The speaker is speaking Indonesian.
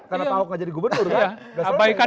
karena tau gak jadi gubernur kan